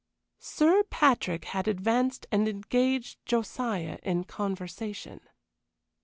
Sir Patrick had advanced and engaged Josiah in conversation.